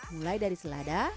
mulai dari selada